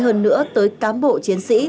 hơn nữa tới cám bộ chiến sĩ